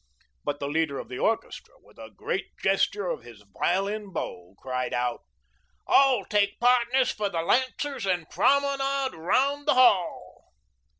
But the leader of the orchestra, with a great gesture of his violin bow, cried out: "All take partners for the lancers and promenade around the hall!"